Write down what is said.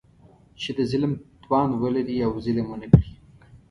چې د ظلم توان ولري او ظلم ونه کړي.